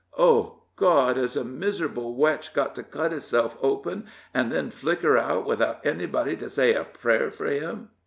"Oh, God, hez a miserable wretch got to cut hisself open, and then flicker out, without anybody to say a prayer for him?"